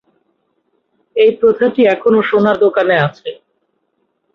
এই প্রথাটি এখনও সোনার দোকানে আছে।